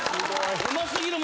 うま過ぎる。